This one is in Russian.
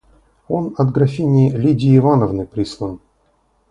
Он от графини Лидии Ивановны прислан.